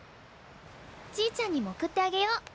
ちぃちゃんにも送ってあげよう。